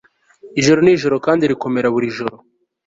Ijoro nijoro kandi rikomera buri joro